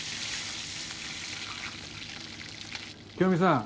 清美さん。